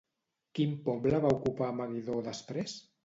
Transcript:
Quin poble va ocupar Meguidó després?